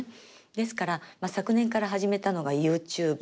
ですから昨年から始めたのがＹｏｕＴｕｂｅ。